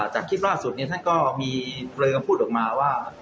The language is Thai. จากคลิปล่าสุดท่านก็มีคำพูดออกมาว่า